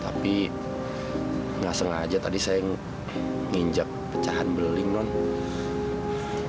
tapi enggak sengaja tadi saya nginjak pecahan beling nona